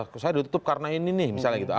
saya ditutup karena ini nih misalnya gitu